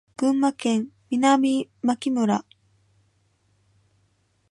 群馬県南牧村